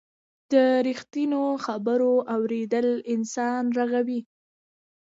د رښتینو خبرو اورېدل انسان رغوي.